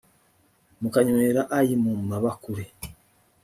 mukanywera ayi mu mabakure